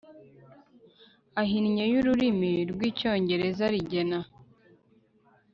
ahinnye y ururimi rw Icyongereza Rigena